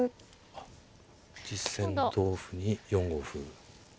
実戦同歩に４五歩。